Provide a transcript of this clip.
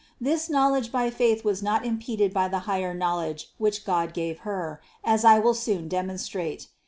This knowledge by faith was not impeded by the higher knowledge which God gave her, as I will soon demon strate.